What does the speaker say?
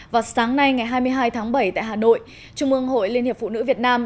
vào sáng nay ngày hai mươi hai tháng bảy tại hà nội trung ương hội liên hiệp phụ nữ việt nam